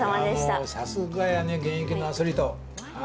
さすがやね現役のアスリート！